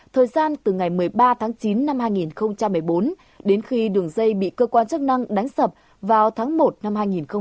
thời gian từ ngày một mươi ba tháng chín năm hai nghìn một mươi bốn đến khi đường dây bị cơ quan chức năng đánh sập vào tháng một năm hai nghìn một mươi bảy